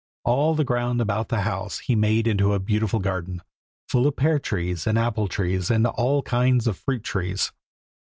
All the ground about the house he made into a beautiful garden, full of pear trees and apple trees and all kinds of fruit trees.